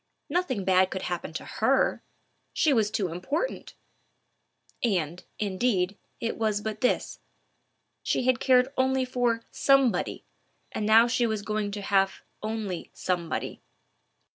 Nothing bad could happen to her—she was so important! And, indeed, it was but this: she had cared only for Somebody, and now she was going to have only Somebody.